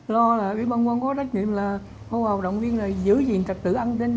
lo là quỹ ban quân quân có trách nhiệm là hỗ trợ động viên giữ gìn trật tự an ninh